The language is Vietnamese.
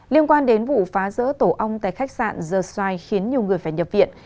liên quan đến vụ phá rỡ tổ ong tại khách sạn the xoài khiến nhiều người phải nhập viện